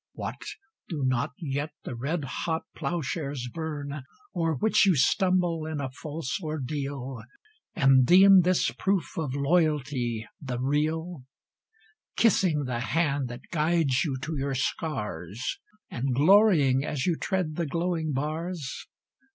What! do not yet the red hot plowshares burn, O'er which you stumble in a false ordeal, And deem this proof of loyalty the real; Kissing the hand that guides you to your scars, And glorying as you tread the glowing bars?